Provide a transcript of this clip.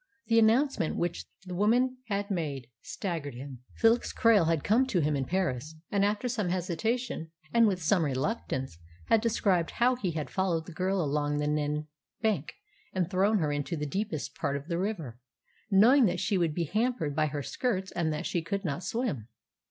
The announcement which the woman had made staggered him. Felix Krail had come to him in Paris, and after some hesitation, and with some reluctance, had described how he had followed the girl along the Nene bank and thrown her into the deepest part of the river, knowing that she would be hampered by her skirts and that she could not swim.